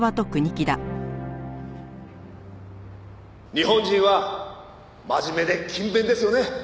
「日本人は真面目で勤勉ですよね」